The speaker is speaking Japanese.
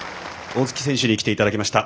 大槻選手に来ていただきました。